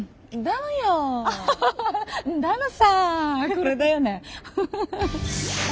これだよね。